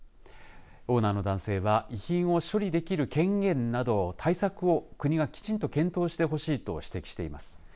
オーナーの男性は遺品を処理できる権限などを対策は国がきちんと検討してほしいと指摘しています。